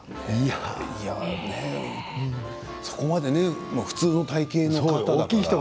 そこまで普通の体形の方が。